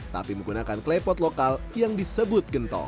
tapi menggunakan klepot lokal yang disebut gentong